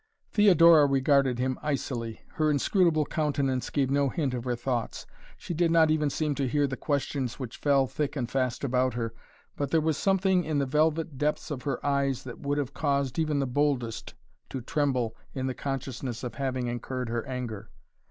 Theodora regarded him icily. Her inscrutable countenance gave no hint of her thoughts. She did not even seem to hear the questions which fell thick and fast about her, but there was something in the velvet depths of her eyes that would have caused even the boldest to tremble in the consciousness of having incurred her anger.